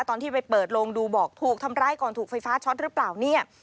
ตอนที่ไปเปิดโลงดูบอกถูกทำร้ายก่อนถูกไฟฟ้าช็อตหรือเปล่าเนี่ย